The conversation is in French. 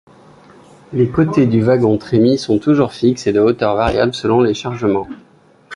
Les côtés du wagon-trémie sont toujours fixes et de hauteurs variables selon les chargements.